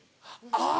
あぁ。